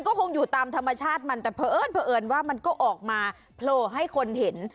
ก็คงอยู่ตามธรรมชาติมันแต่เผอิญเผอิญว่ามันก็ออกมาโผล่ให้คนเห็น